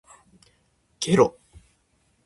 げろ